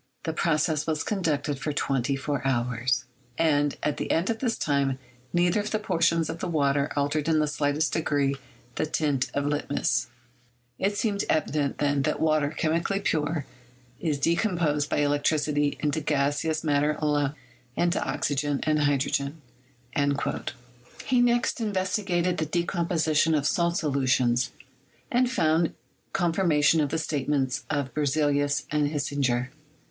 The process was conducted for twenty four hours, and at the end of this time neither of the portions of the water altered in the slightest degree the tint of litmus. It seems ATOMIC THEORY— WORK OF DAVY 191 evident then that water chemically pure is decomposed by electricity into gaseous matter alone, into oxygen and hydrogen." He next investigated the decomposition of salt solutions, and found confirmation of the statements of Berzelius and Hisinger.